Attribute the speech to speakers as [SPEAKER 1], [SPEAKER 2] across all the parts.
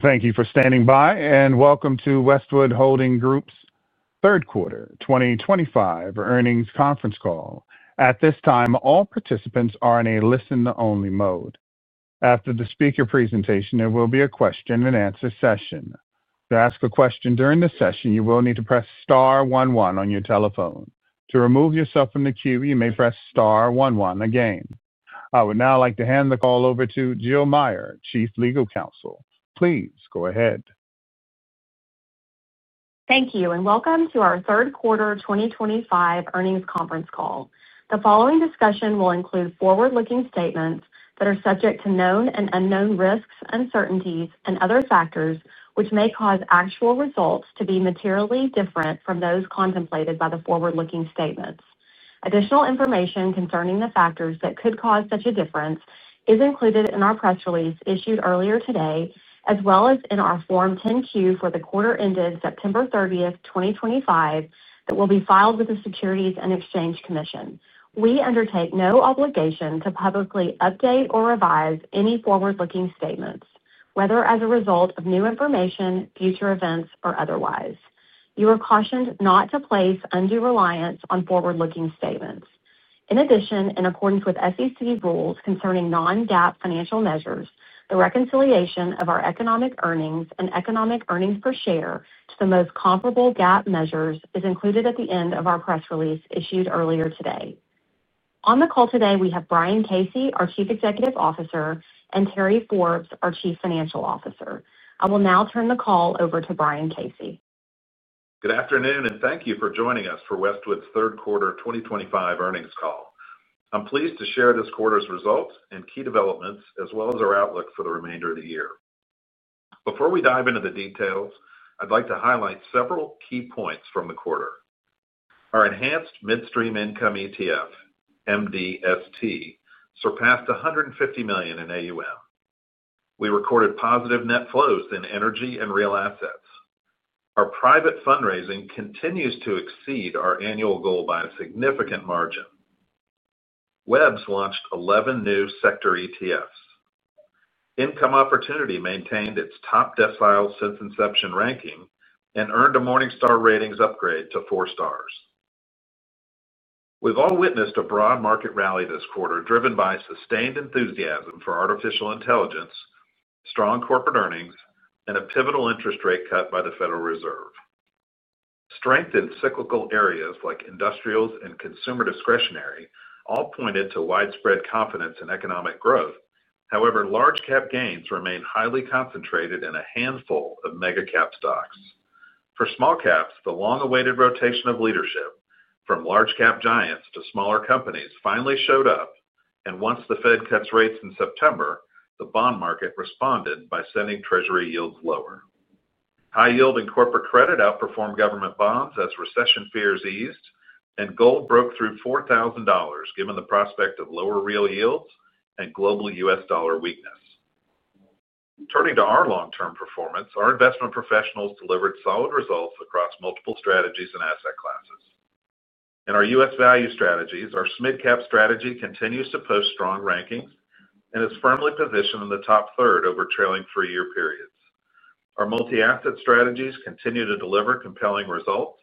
[SPEAKER 1] Thank you for standing by, and welcome to Westwood Holdings Group's Third Quarter 2025 Earnings Conference Call. At this time, all participants are in a listen-only mode. After the speaker presentation, there will be a question-and-answer session. To ask a question during the session, you will need to press star one one on your telephone. To remove yourself from the queue, you may press star one one again. I would now like to hand the call over to Jill Meyer, Chief Legal Counsel. Please go ahead.
[SPEAKER 2] Thank you, and welcome to our Third Quarter 2025 Earnings Conference Call. The following discussion will include forward-looking statements that are subject to known and unknown risks, uncertainties, and other factors which may cause actual results to be materially different from those contemplated by the forward-looking statements. Additional information concerning the factors that could cause such a difference is included in our press release issued earlier today, as well as in our Form 10-Q for the quarter ended September 30th, 2025, that will be filed with the Securities and Exchange Commission. We undertake no obligation to publicly update or revise any forward-looking statements, whether as a result of new information, future events, or otherwise. You are cautioned not to place undue reliance on forward-looking statements. In addition, in accordance with SEC rules concerning Non-GAAP financial measures, the reconciliation of our economic earnings and economic earnings per share to the most comparable GAAP measures is included at the end of our press release issued earlier today. On the call today, we have Brian Casey, our Chief Executive Officer, and Terry Forbes, our Chief Financial Officer. I will now turn the call over to Brian Casey.
[SPEAKER 3] Good afternoon, and thank you for joining us for Westwood's Third Quarter 2025 Earnings Call. I'm pleased to share this quarter's results and key developments, as well as our outlook for the remainder of the year. Before we dive into the details, I'd like to highlight several key points from the quarter. Our enhanced midstream income ETF, MDST, surpassed $150 million in AUM. We recorded positive net flows in Energy and Real Assets. Our private fundraising continues to exceed our annual goal by a significant margin. WEBs launched 11 new sector ETFs. Income Opportunity maintained its top decile since inception ranking and earned a Morningstar ratings upgrade to four stars. We've all witnessed a broad market rally this quarter driven by sustained enthusiasm for artificial intelligence, strong corporate earnings, and a pivotal interest rate cut by the Federal Reserve. Strength in cyclical areas like industrials and consumer discretionary all pointed to widespread confidence in economic growth. However, large-cap gains remain highly concentrated in a handful of mega-cap stocks. For small caps, the long-awaited rotation of leadership from large-cap giants to smaller companies finally showed up, and once the Fed cuts rates in September, the bond market responded by sending Treasury yields lower. High-yielding corporate credit outperformed government bonds as recession fears eased, and gold broke through $4,000 given the prospect of lower real yields and global U.S. dollar weakness. Turning to our long-term performance, our investment professionals delivered solid results across multiple strategies and asset classes. In our U.S. Value Strategies, our SMidCap Strategy continues to post strong rankings and is firmly positioned in the top third over trailing three-year periods. Our multi-asset strategies continue to deliver compelling results.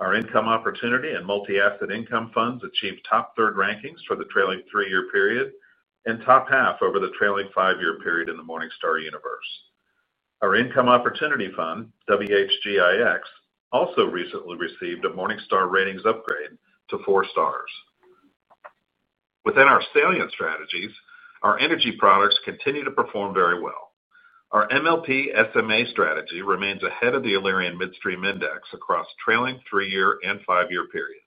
[SPEAKER 3] Our Income Opportunity and Multi-Asset Income Funds achieved top third rankings for the trailing three-year period and top half over the trailing five-year period in the Morningstar universe. Our Income Opportunity Fund, WHGIX, also recently received a Morningstar ratings upgrade to four stars. Within our Salient Strategies, our energy products continue to perform very well. Our MLP SMA strategy remains ahead of the Alerian Midstream Index across trailing three-year and five-year periods.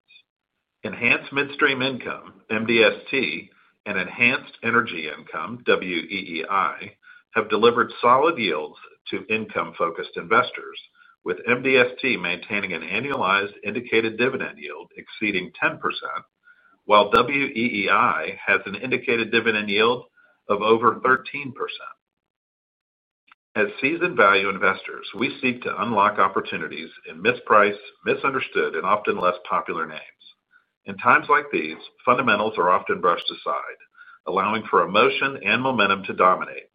[SPEAKER 3] Enhanced Midstream Income, MDST, and Enhanced Energy Income, WEEI, have delivered solid yields to income-focused investors, with MDST maintaining an annualized indicated dividend yield exceeding 10%, while WEEI has an indicated dividend yield of over 13%. As seasoned value investors, we seek to unlock opportunities in mispriced, misunderstood, and often less popular names. In times like these, fundamentals are often brushed aside, allowing for emotion and momentum to dominate.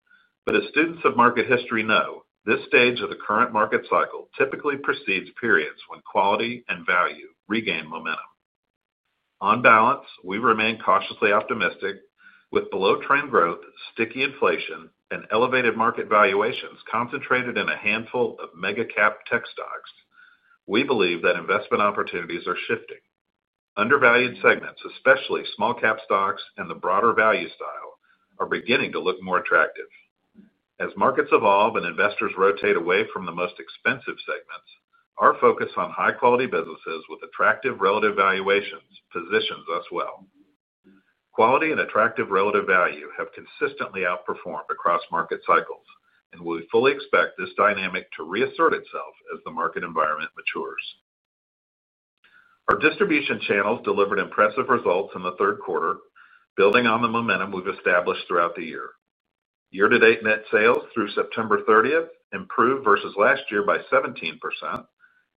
[SPEAKER 3] As students of market history know, this stage of the current market cycle typically precedes periods when quality and value regain momentum. On balance, we remain cautiously optimistic. With below-trend growth, sticky inflation, and elevated market valuations concentrated in a handful of Mega-Cap Tech Stocks, we believe that investment opportunities are shifting. Undervalued segments, especially Small-Cap Stocks and the broader Value Style, are beginning to look more attractive. As markets evolve and investors rotate away from the most expensive segments, our focus on high-quality businesses with attractive relative valuations positions us well. Quality and attractive relative value have consistently outperformed across market cycles, and we fully expect this dynamic to reassert itself as the market environment matures. Our distribution channels delivered impressive results in the third quarter, building on the momentum we've established throughout the year. Year-to-date net sales through September 30th improved versus last year by 17%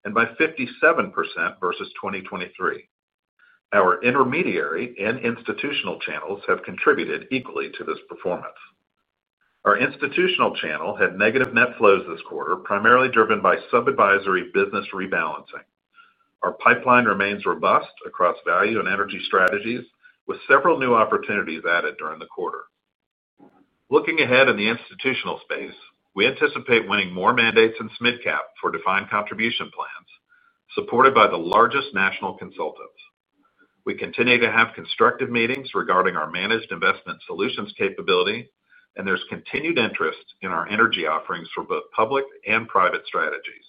[SPEAKER 3] and by 57% versus 2023. Our Intermediary and Institutional Channels have contributed equally to this performance. Our Institutional Channel had negative net flows this quarter, primarily driven by sub-advisory business rebalancing. Our pipeline remains robust across Value and Energy Strategies, with several new opportunities added during the quarter. Looking ahead in the institutional space, we anticipate winning more mandates in SMidCap for Defined Contribution Plans supported by the largest national consultants. We continue to have constructive meetings regarding our Managed Investment Solutions capability, and there's continued interest in our energy offerings for both public and private strategies.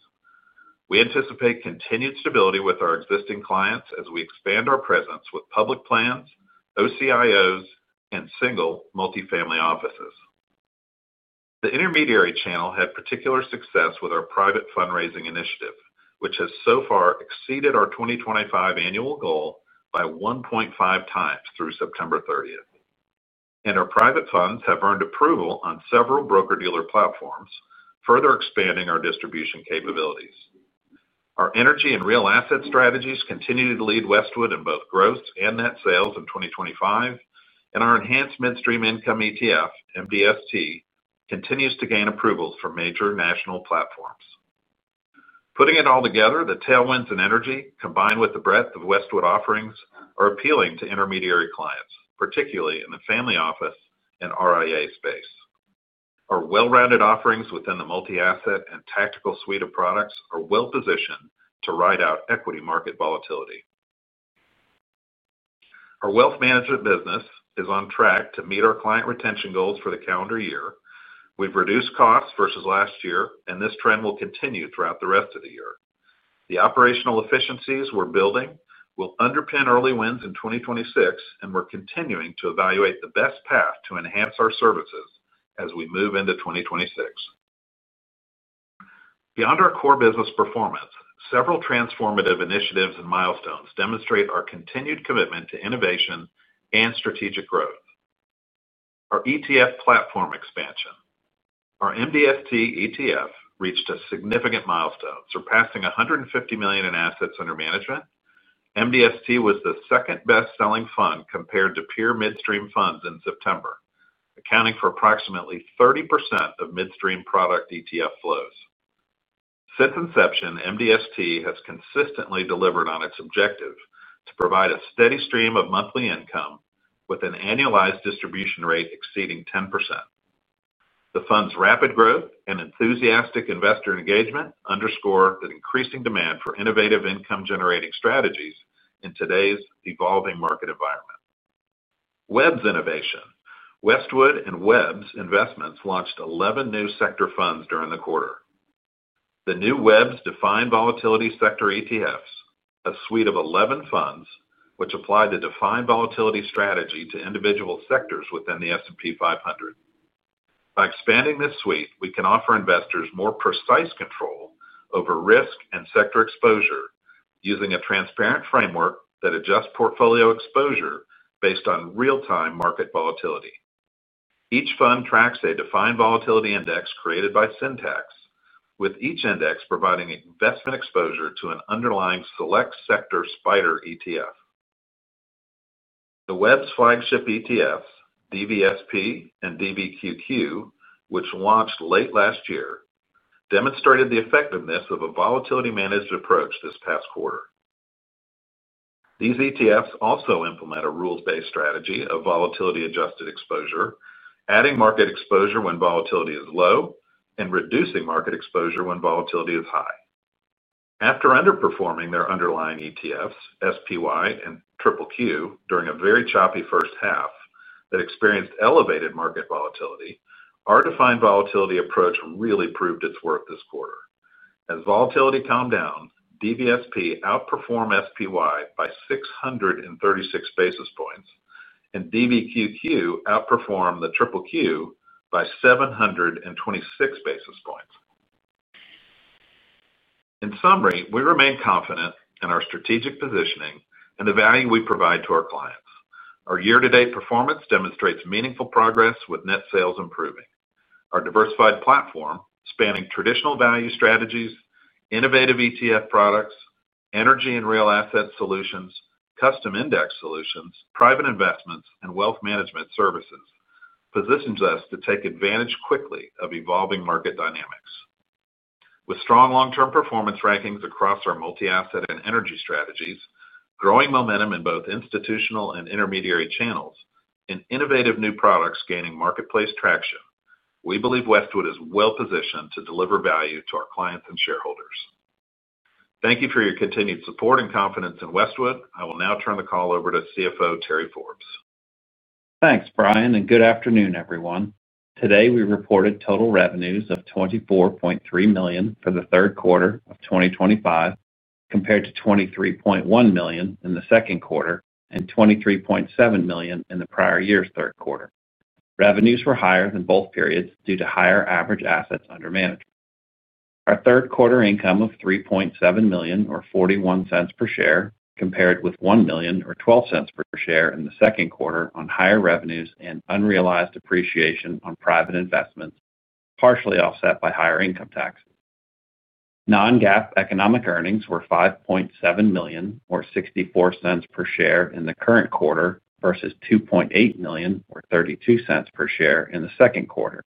[SPEAKER 3] We anticipate continued stability with our existing clients as we expand our presence with Public Plans, OCIOs, and Single Multi-Family Offices. The intermediary channel had particular success with our private fundraising initiative, which has so far exceeded our 2025 annual goal by 1.5 times through September 30th. Our private funds have earned approval on several broker-dealer platforms, further expanding our distribution capabilities. Our Energy and Real Asset Strategies continue to lead Westwood in both growth and net sales in 2025, and our Enhanced Midstream Income ETF, MDST, continues to gain approval from major national platforms. Putting it all together, the tailwinds in energy, combined with the breadth of Westwood offerings, are appealing to intermediary clients, particularly in the Family Office and RIA space. Our well-rounded offerings within the Multi-Asset and Tactical Suite of Products are well-positioned to ride out equity market volatility. Our Wealth Management business is on track to meet our client retention goals for the calendar year. We've reduced costs versus last year, and this trend will continue throughout the rest of the year. The operational efficiencies we're building will underpin early wins in 2026, and we're continuing to evaluate the best path to enhance our services as we move into 2026. Beyond our core business performance, several transformative initiatives and milestones demonstrate our continued commitment to innovation and strategic growth. Our ETF platform expansion. Our MDST ETF reached a significant milestone, surpassing $150 million in Assets Under Management. MDST was the second-best-selling fund compared to peer Midstream Funds in September, accounting for approximately 30% of midstream product ETF flows. Since inception, MDST has consistently delivered on its objective to provide a steady stream of monthly income with an annualized distribution rate exceeding 10%. The fund's rapid growth and enthusiastic investor engagement underscore the increasing demand for innovative income-generating strategies in today's evolving market environment. WEBs Innovation. Westwood and WEBs Investments launched 11 new sector funds during the quarter. The new WEBs Defined Volatility Sector ETFs are a suite of 11 funds which apply the defined volatility strategy to individual sectors within the S&P 500. By expanding this suite, we can offer investors more precise control over risk and sector exposure using a transparent framework that adjusts portfolio exposure based on real-time market volatility. Each fund tracks a defined volatility index created by Syntax, with each index providing investment exposure to an underlying Select Sector SPDR ETF. The WEBs flagship ETFs, DVSP and DVQQ, which launched late last year, demonstrated the effectiveness of a volatility-managed approach this past quarter. These ETFs also implement a rules-based strategy of volatility-adjusted exposure, adding market exposure when volatility is low and reducing market exposure when volatility is high. After underperforming their underlying ETFs, SPY and QQQ, during a very choppy first half that experienced elevated market volatility, our defined volatility approach really proved its worth this quarter. As volatility calmed down, DVSP outperformed SPY by 636 basis points, and DVQQ outperformed the QQQ by 726 basis points. In summary, we remain confident in our strategic positioning and the value we provide to our clients. Our year-to-date performance demonstrates meaningful progress, with net sales improving. Our diversified platform, spanning Traditional Value Strategies, Innovative ETF Products, Energy and Real Asset Solutions, Custom Index Solutions, Private Investments, and Wealth Management Services positions us to take advantage quickly of evolving market dynamics. With strong long-term performance rankings across our Multi-Asset and Energy strategies, growing momentum in both Institutional and Intermediary Channels, and innovative new products gaining marketplace traction, we believe Westwood is well-positioned to deliver value to our clients and shareholders. Thank you for your continued support and confidence in Westwood. I will now turn the call over to CFO Terry Forbes.
[SPEAKER 4] Thanks, Brian, and good afternoon, everyone. Today, we reported total revenues of $24.3 million for the third quarter of 2025, compared to $23.1 million in the second quarter and $23.7 million in the prior year's third quarter. Revenues were higher than both periods due to higher average Assets Under Management. Our third quarter income of $3.7 million, or $0.41 per share, compared with $1 million, or $0.12 per share in the second quarter, on higher revenues and unrealized appreciation on private investments, partially offset by higher income taxes. Non-GAAP Economic Earnings were $5.7 million, or $0.64 per share in the current quarter, versus $2.8 million, or $0.32 per share in the second quarter.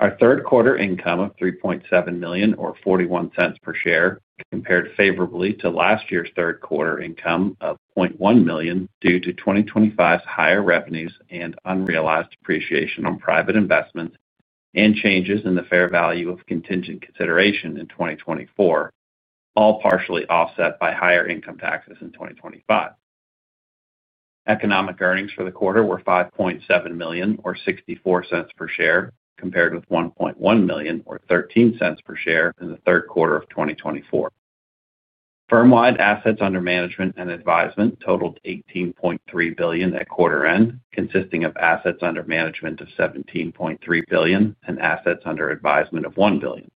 [SPEAKER 4] Our third quarter income of $3.7 million, or $0.41 per share, compared favorably to last year's third quarter income of $0.1 million due to 2025's higher revenues and unrealized appreciation on private investments and changes in the fair value of contingent consideration in 2024, all partially offset by higher income taxes in 2025. Economic earnings for the quarter were $5.7 million, or $0.64 per share, compared with $1.1 million, or $0.13 per share in the third quarter of 2024. Firm-wide Assets Under Management and Advisement totaled $18.3 billion at quarter end, consisting of Assets Under Management of $17.3 billion and Assets Under Advisement of $1 billion.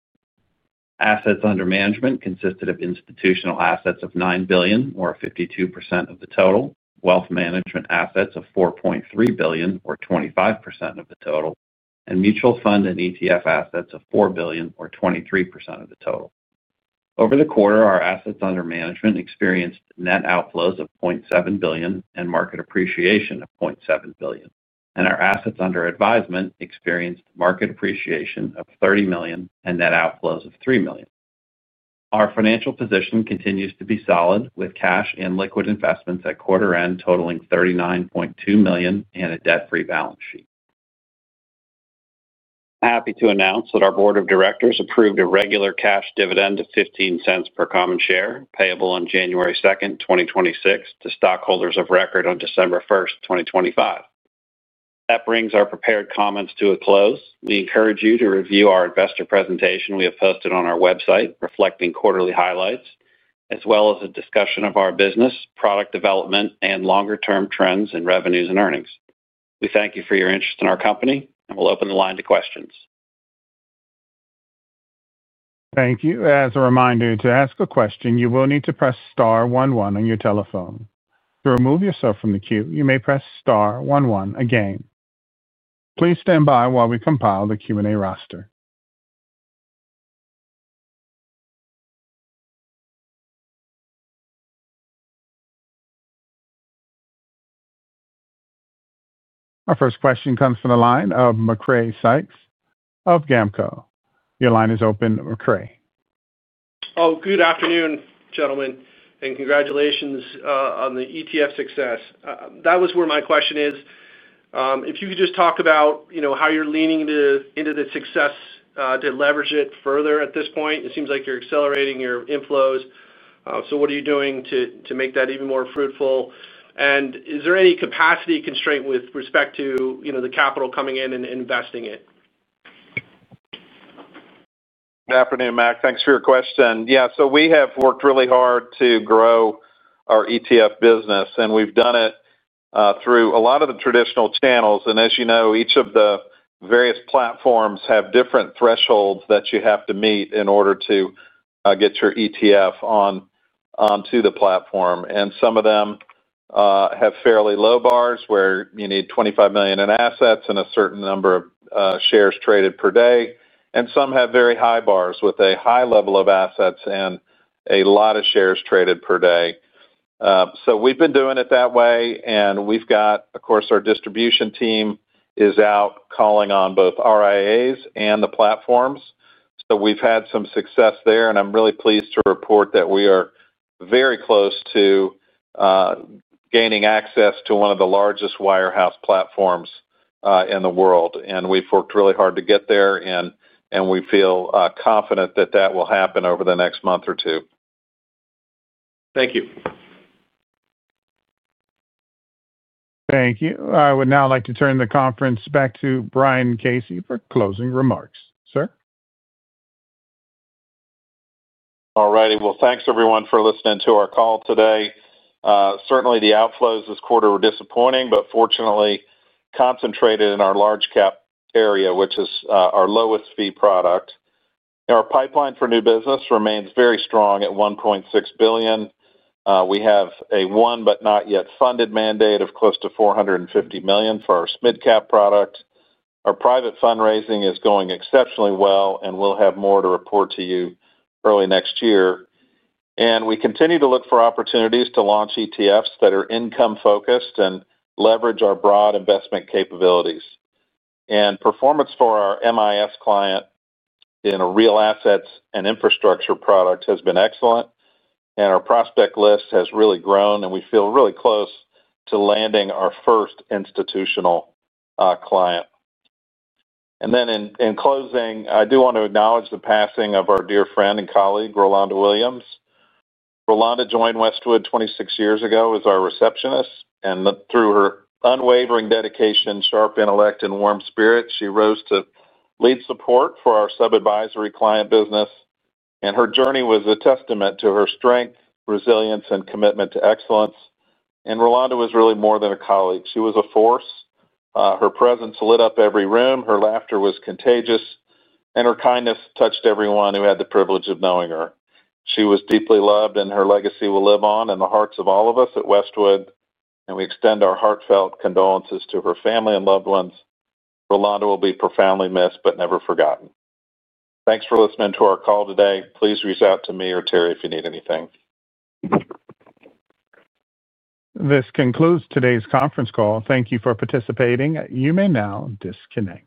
[SPEAKER 4] Assets Under Management consisted of Institutional Assets of $9 billion, or 52% of the total, Wealth Management Assets of $4.3 billion, or 25% of the total, and mutual fund and ETF assets of $4 billion, or 23% of the total. Over the quarter, our Assets Under Management experienced net outflows of $0.7 billion and market appreciation of $0.7 billion, and our Assets Under Advisement experienced market appreciation of $30 million and net outflows of $3 million. Our financial position continues to be solid, with cash and liquid investments at quarter end totaling $39.2 million and a debt-free balance sheet. I'm happy to announce that our Board of Directors approved a regular cash dividend of $0.15 per common share, payable on January 2nd, 2026, to stockholders of record on December 1st, 2025. That brings our prepared comments to a close. We encourage you to review our investor presentation we have posted on our website, reflecting quarterly highlights, as well as a discussion of our business, product development, and longer-term trends in revenues and earnings. We thank you for your interest in our company, and we'll open the line to questions.
[SPEAKER 1] Thank you. As a reminder, to ask a question, you will need to press star one one on your telephone. To remove yourself from the queue, you may press star one one again. Please stand by while we compile the Q&A roster. Our first question comes from the line of Macrae Sykes of GAMCO. Your line is open, Macrae.
[SPEAKER 5] Good afternoon, gentlemen, and congratulations on the ETF success. That was where my question is. If you could just talk about how you're leaning into the success to leverage it further at this point. It seems like you're accelerating your inflows. What are you doing to make that even more fruitful? Is there any capacity constraint with respect to the capital coming in and investing it?
[SPEAKER 3] Good afternoon, Mac. Thanks for your question. Yeah, we have worked really hard to grow our ETF business, and we've done it through a lot of the traditional channels. As you know, each of the various platforms have different thresholds that you have to meet in order to get your ETF onto the platform. Some of them have fairly low bars, where you need $25 million in assets and a certain number of shares traded per day. Some have very high bars with a high level of assets and a lot of shares traded per day. We've been doing it that way. Our Distribution Team is out calling on both RIAs and the platforms. We've had some success there, and I'm really pleased to report that we are very close to gaining access to one of the largest Wirehouse Platforms in the world. We've worked really hard to get there, and we feel confident that that will happen over the next month or two.
[SPEAKER 5] Thank you.
[SPEAKER 1] Thank you. I would now like to turn the conference back to Brian Casey for closing remarks, sir.
[SPEAKER 3] All righty. Thanks, everyone, for listening to our call today. Certainly, the outflows this quarter were disappointing, but fortunately concentrated in our Large-Cap area, which is our lowest-fee product. Our pipeline for new business remains very strong at $1.6 billion. We have a won-but-not-yet-funded mandate of close to $450 million for our SMidCap product. Our private fundraising is going exceptionally well, and we'll have more to report to you early next year. We continue to look for opportunities to launch ETFs that are income-focused and leverage our broad investment capabilities. Performance for our MIS client in a Real Assets and Infrastructure Product has been excellent, and our prospect list has really grown, and we feel really close to landing our first institutional client. In closing, I do want to acknowledge the passing of our dear friend and colleague, Rolonda Williams. Rolonda joined Westwood 26 years ago as our receptionist. Through her unwavering dedication, sharp intellect, and warm spirit, she rose to lead support for our Sub-Advisory client business. Her journey was a testament to her strength, resilience, and commitment to excellence. Rolonda was really more than a colleague. She was a force. Her presence lit up every room. Her laughter was contagious, and her kindness touched everyone who had the privilege of knowing her. She was deeply loved, and her legacy will live on in the hearts of all of us at Westwood. We extend our heartfelt condolences to her family and loved ones. Rolonda will be profoundly missed, but never forgotten. Thanks for listening to our call today. Please reach out to me or Terry if you need anything.
[SPEAKER 1] This concludes today's conference call. Thank you for participating. You may now disconnect.